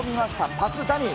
パスダミー。